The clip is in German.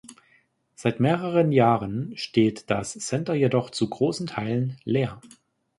Seit mehreren Jahren steht das Center jedoch zu großen Teilen leer.